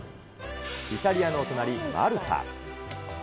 イタリアの隣、マルタ。